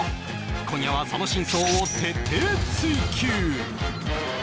今夜はその真相を徹底追求！